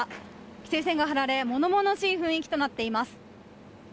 規制線が張られ物々しい雰囲気となっています。